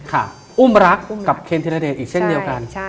ค่ะอุ้มรักกับเคนธีระเด็กอีกเส้นเดียวกัน